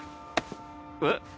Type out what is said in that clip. えっ？